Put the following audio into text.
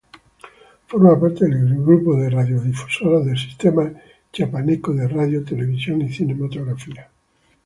Forma parte del grupo de radiodifusoras del Sistema Chiapaneco de Radio, Televisión y Cinematografía.